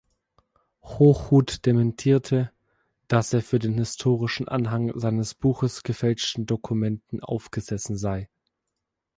Hochhuth dementierte, dass er für den historischen Anhang seines Buches gefälschten Dokumenten aufgesessen sei.